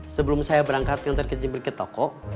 sebelum saya berangkat nanti ke jempol ke toko